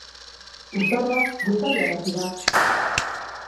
Urtaroa goizaldean hasi da.